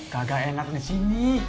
gak enak di sini